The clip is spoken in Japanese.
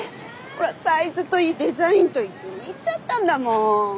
ほらサイズといいデザインといい気に入っちゃったんだもん。